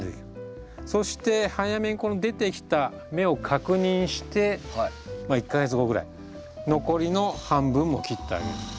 そして早めに出てきた芽を確認してまあ１か月後ぐらい残りの半分も切ってあげる。